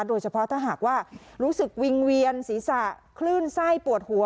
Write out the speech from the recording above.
โดยเฉพาะถ้าหากว่ารู้สึกวิงเวียนศีรษะคลื่นไส้ปวดหัว